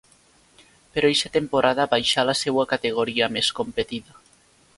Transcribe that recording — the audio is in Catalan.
Però eixa temporada baixà a la seua categoria més competida.